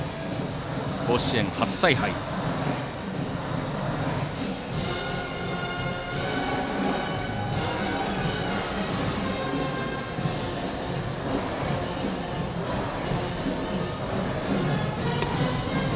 甲子園初采配です。